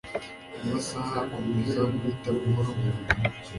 Amasaha akomeza guhita buhoro buhoro.